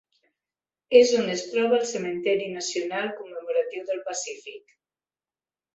És on es troba el Cementiri Nacional Commemoratiu del Pacífic.